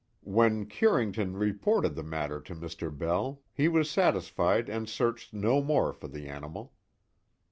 When Curington reported the matter to Mr. Bell, he was satisfied and searched no more for the animal.